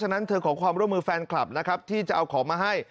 นั้นเธอขอความร่วมมือแฟนคลับนะครับที่จะเอาของมาให้